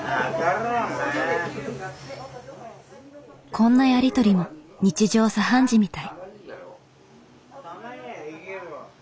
こんなやり取りも日常茶飯事みたい。